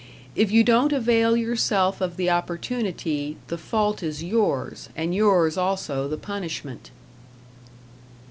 If you don't avail yourself of the opportunity, the fault is yours, and yours also the punishment.